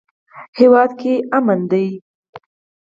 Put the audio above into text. هیواد کې امن ده